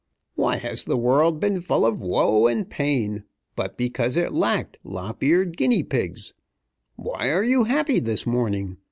Why has the world been full of woe and pain, but because it lacked lop eared guinea pigs? Why are you happy this morning?